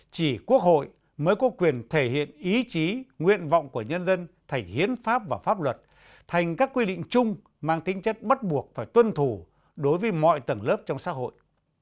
chỉ quốc hội mới có quyền thể hiện ý chí nguyện vọng của nhân dân thành hiến pháp và pháp luật thành các quy định chung mang tính chất bắt buộc phải tuân thủ đối với mọi tầng lớp trong xã hội